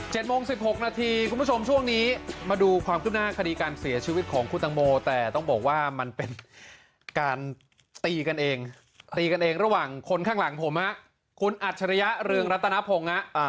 โมงสิบหกนาทีคุณผู้ชมช่วงนี้มาดูความคืบหน้าคดีการเสียชีวิตของคุณตังโมแต่ต้องบอกว่ามันเป็นการตีกันเองตีกันเองระหว่างคนข้างหลังผมฮะคุณอัจฉริยะเรืองรัตนพงศ์ฮะอ่า